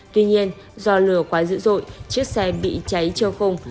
tuy nhiên do lửa quá dữ dội chiếc xe bị cháy trơ khung